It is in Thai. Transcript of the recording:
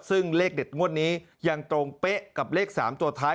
ซึ่งเลขเด็ดงวดนี้ยังตรงเป๊ะกับเลข๓ตัวท้าย